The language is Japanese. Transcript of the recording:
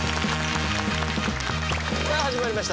さあ始まりました